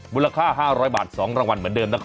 มูลค่า๕๐๐บาท๒รางวัลเหมือนเดิมนะครับ